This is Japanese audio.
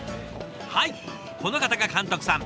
はいこの方が監督さん。